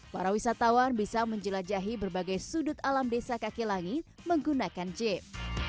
para wisatawan bisa menjelajahi berbagai sudut alam desa kaki langit menggunakan jeep